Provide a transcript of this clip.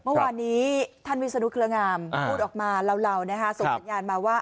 เมื่อวานนี้ท่านวิศนุเครืองามพูดออกมาเหล่าส่งสัญญาณมาว่า